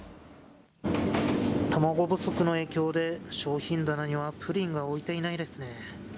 卵不足の影響で、商品棚にはプリンが置いていないですね。